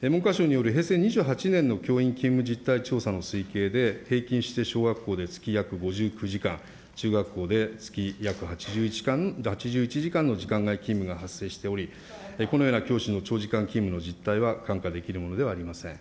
文科省による平成２８年の教員勤務実態調査の推計で、平均して小学校で月約５９時間、中学校で月約８１時間の時間外勤務が発生しており、このような教師の長時間勤務の実態は看過できるものではありません。